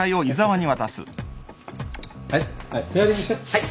はい。